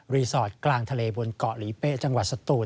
สอดกลางทะเลบนเกาะหลีเป๊ะจังหวัดสตูน